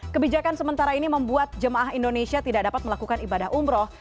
kebijakan sementara ini membuat jemaah indonesia tidak dapat melakukan ibadah umroh